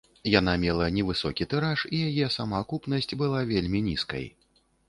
Яна мела невысокі тыраж і яе самаакупнасць была вельмі нізкай.